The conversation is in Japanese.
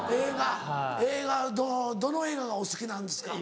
どの映画がお好きなんですか？